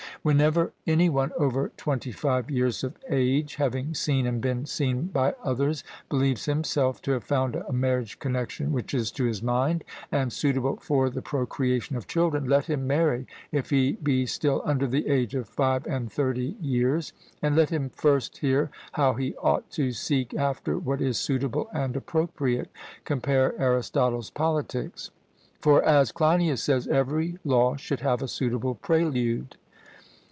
Whenever any one over twenty five years of age, having seen and been seen by others, believes himself to have found a marriage connexion which is to his mind, and suitable for the procreation of children, let him marry if he be still under the age of five and thirty years; but let him first hear how he ought to seek after what is suitable and appropriate (compare Arist. Pol.). For, as Cleinias says, every law should have a suitable prelude.